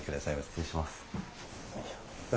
失礼します。